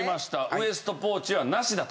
ウエストポーチはナシだと？